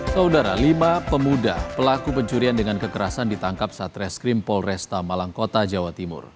saudara lima pemuda pelaku pencurian dengan kekerasan ditangkap saat reskrim polresta malang kota jawa timur